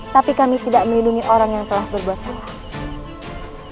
tapi kami tidak melindungi orang yang telah berbuat salah